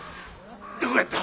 どこやった？